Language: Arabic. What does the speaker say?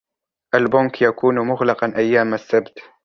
البنك يكون مغلقاً أيام السبت.